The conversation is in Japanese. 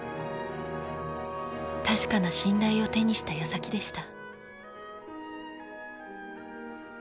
確かな信頼を手にしたやさきでした。